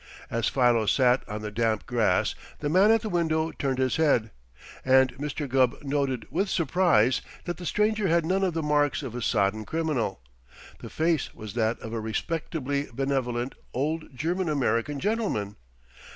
As Philo sat on the damp grass, the man at the window turned his head, and Mr. Gubb noted with surprise that the stranger had none of the marks of a sodden criminal. The face was that of a respectably benevolent old German American gentleman.